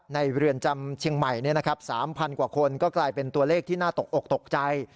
เรือนจำเชียงใหม่๓๐๐กว่าคนก็กลายเป็นตัวเลขที่น่าตกอกตกใจ